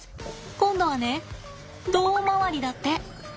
今度はね胴回りだって。